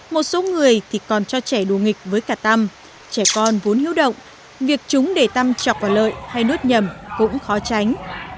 một số người thì còn cho trẻ đù nghịch với cả tăm trẻ con vốn hữu động việc chúng để tăm chọc vào lợi hay nút nhầm cũng khó tránh